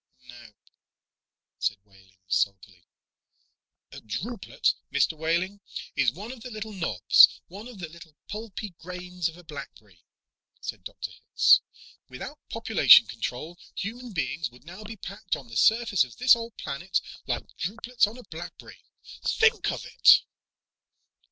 "Nope," said Wehling sulkily. "A drupelet, Mr. Wehling, is one of the little knobs, one of the little pulpy grains of a blackberry," said Dr. Hitz. "Without population control, human beings would now be packed on this surface of this old planet like drupelets on a blackberry! Think of it!"